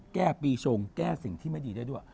แก้ปีชงแก้สิ่งที่ไม่ดีได้ด้วย